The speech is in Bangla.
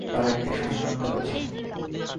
তার একটি সন্তান রয়েছে।